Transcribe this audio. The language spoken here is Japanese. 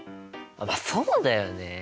まあそうだよね。